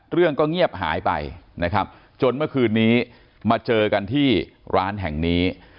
เรื่องก็เงียบหายไปนะครับจนเมื่อคืนนี้มาเจอกันที่ร้านแห่งนี้